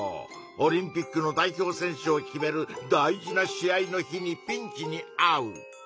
オリンピックの代表選手を決める大事な試合の日にピンチにあう。